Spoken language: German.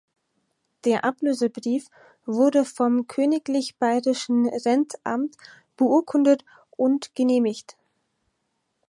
Der Ablösebrief wurde vom Königlich Bayerischen Rentamt beurkundet und genehmigt.